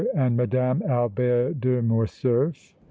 and Madame Albert de Morcerf.